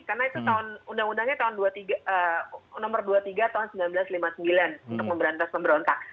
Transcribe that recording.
karena itu tahun undang undangnya tahun dua puluh tiga tahun seribu sembilan ratus lima puluh sembilan untuk memberantas pemberontak